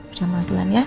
udah maledulan ya